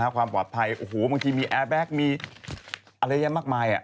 ความผิดโอ้โหบางทีมีแอร์แบ็คมีอะไรมากมาย